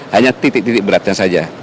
hanya titik titik beratnya saja